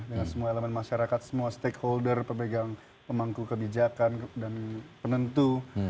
dengan semua elemen masyarakat semua stakeholder pemegang pemangku kebijakan dan penentu